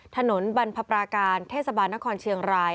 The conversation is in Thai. ถนนบนพระปรากาลเทศบันท์นครเชียงราย